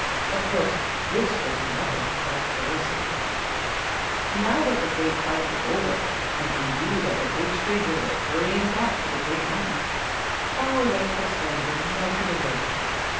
Of course this was nothing but jealousy. Now that the great fight was over, and he knew that the big stranger was hurrying back to the Great Mountain, all Lightfoot's anger melted away.